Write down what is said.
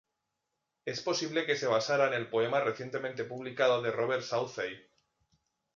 Es posible que se basara en el poema recientemente publicado de Robert Southey.